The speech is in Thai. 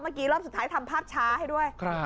เมื่อกี้รอบสุดท้ายทำภาพช้าให้ด้วย